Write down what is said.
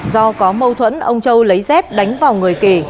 do có mâu thuẫn ông châu lấy dép đánh vào người kỳ